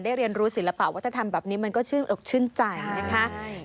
เรียนรู้ศิลปะวัฒนธรรมแบบนี้มันก็ชื่นอกชื่นใจนะคะ